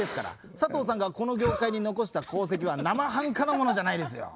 さとうさんがこの業界に残した功績はなまはんかなものじゃないですよ！